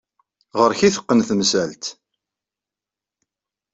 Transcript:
Ɣer-k ay teqqen temsalt.